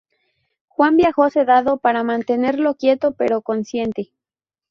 Juan viajó sedado, para mantenerlo quieto pero consciente.